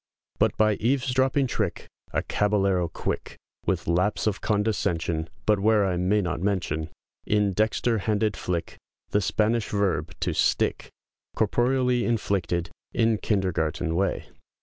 But by eavesdropping trick, A caballero quick, With lapse of condescension, But where I may not mention, In dexter handed flick, The Spanish verb to "stick" Corporeally inflicted, in kindergarten way.